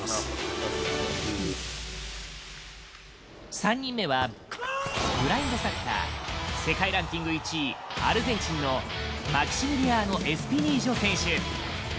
３人目は、ブラインドサッカー世界ランキング１位アルゼンチンのマキシミリアーノ・エスピニージョ選手。